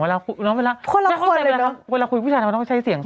เวลาคุยกับผู้ชายทำไมต้องใช้เสียงส่อง